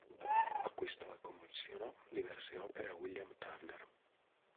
Acquistò e commissionò diverse opere a William Turner.